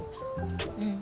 うん。